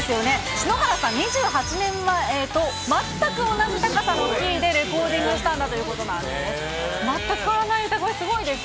篠原さん、２８年前と全く同じ高さのキーでレコーディングしたということなんだそうです。